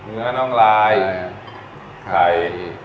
เนื้อน้องลายไข่